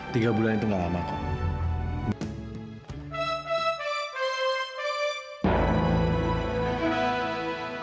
tiga bulan itu gak lama kok